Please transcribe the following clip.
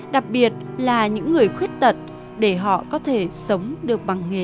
đặc biệt là những người khuyết tật để họ có thể sống được bằng nghề